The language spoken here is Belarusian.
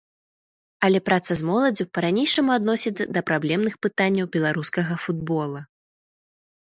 Але праца з моладдзю па-ранейшаму адносіцца да праблемных пытанняў беларускага футбола.